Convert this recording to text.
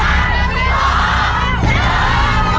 หมดเวลา